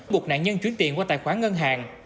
buộc nạn nhân chuyển tiền qua tài khoản ngân hàng